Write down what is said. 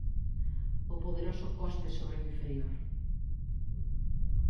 O poderoso cospe sobre o inferior.